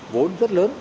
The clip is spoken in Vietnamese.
vốn rất lớn